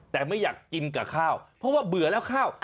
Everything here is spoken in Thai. แต่ไม่อยากกินกับข้าวเพราะว่าเบื่อแล้วข้าว